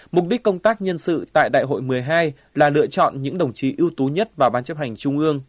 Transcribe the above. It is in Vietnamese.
mục đích công tác nhân sự tại đại hội một mươi hai là lựa chọn những đồng chí ưu tú nhất vào ban chấp hành trung ương